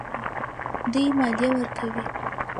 دوی مالیه ورکوي.